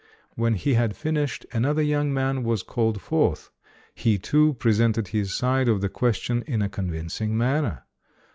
When he had finished, another young man was called forth. He, too, presented his side of the question in a convincing manner.